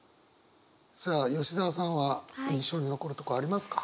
さあ吉澤さんは印象に残るとこありますか？